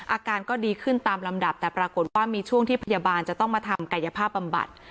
อาการก็ดีขึ้นตามลำดับแต่ปรากฏว่ามีช่วงที่พยาบาลจะต้องมาทำกายภาพบำบัด